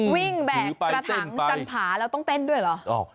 วิ่งแบบประถังจันทร์ผาแล้วต้องเต้นด้วยเหรอ